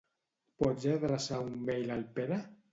Pots adreçar un mail al Pere?